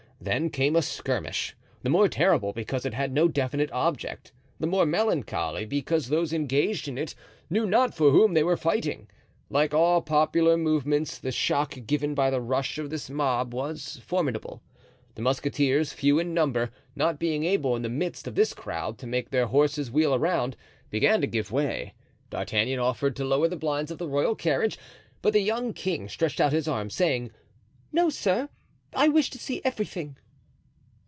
Then came a skirmish, the more terrible because it had no definite object; the more melancholy, because those engaged in it knew not for whom they were fighting. Like all popular movements, the shock given by the rush of this mob was formidable. The musketeers, few in number, not being able, in the midst of this crowd, to make their horses wheel around, began to give way. D'Artagnan offered to lower the blinds of the royal carriage, but the young king stretched out his arm, saying: "No, sir! I wish to see everything."